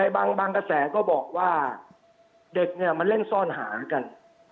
บางบางกระแสก็บอกว่าเด็กเนี้ยมันเล่นซ่อนหากันอ๋อ